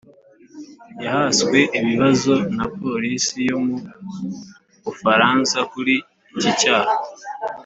yahaswe ibibazo na polisi yo mu bufaransa kuri iki cyaha